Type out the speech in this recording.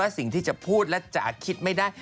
สิ่งที่จะพูดและจ๋าคิดไม่ได้